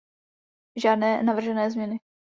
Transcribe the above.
Žádné navržené změny.